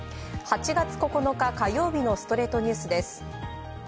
８月９日、火曜日の『ストレイトニュース』です。